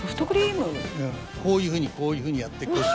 こういうふうにこういうふうにやって腰をこうやって。